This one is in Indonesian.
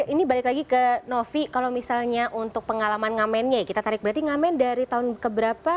ini balik lagi ke novi kalau misalnya untuk pengalaman ngamennya kita tarik berarti ngamen dari tahun keberapa